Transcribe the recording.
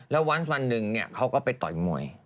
แล้วอัฟฟาร์ตวันหนึ่งเขาก็ไปต่อยมวย